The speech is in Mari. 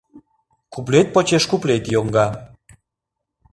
Куплет почеш куплет йоҥга.